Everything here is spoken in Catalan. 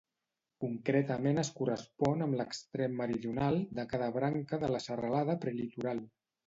Concretament es correspon amb l'extrem meridional de cada branca de la Serralada Prelitoral.